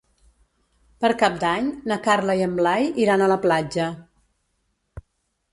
Per Cap d'Any na Carla i en Blai iran a la platja.